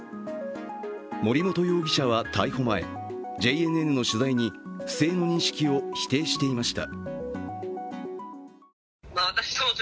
森本容疑者は逮捕前、ＪＮＮの取材に不正の認識を否定していました。